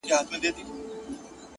زما د نیکه ستا د ابا دا نازولی وطن.!